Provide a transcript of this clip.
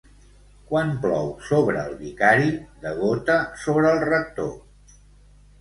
Quan plou sobre el vicari, degota sobre el rector.